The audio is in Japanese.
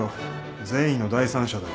善意の第三者だよ。